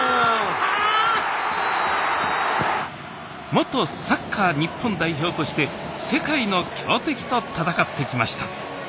元サッカー日本代表として世界の強敵と戦ってきました。